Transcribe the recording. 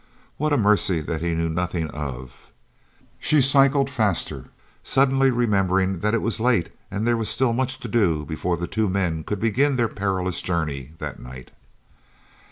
What a mercy that he knew nothing of " She cycled faster, suddenly remembering that it was late and there was still much to do before the two men could begin their perilous journey that night.